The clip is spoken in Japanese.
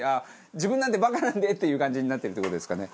自分なんてバカなんでっていう感じになってるって事ですかね。